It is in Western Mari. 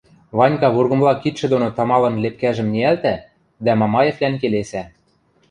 Ванька вургымла кидшӹ доно тамалын лепкӓжӹм ниӓлтӓ дӓ Мамаевлӓн келесӓ: